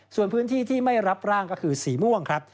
ส่วนพื้นที่ที่ไม่รับร่างก็คือสีม่วงครับ